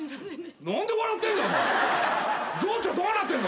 何で笑ってんだ？